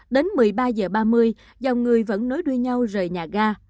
đến một mươi ba h ba mươi dòng người vẫn nối đuôi nhau rời nhà ga